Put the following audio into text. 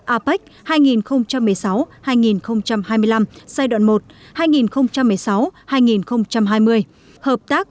apec hai nghìn một mươi sáu hai nghìn hai mươi năm giai đoạn một hai nghìn một mươi sáu hai nghìn hai mươi